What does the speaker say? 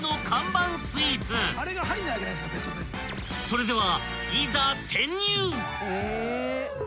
［それでは］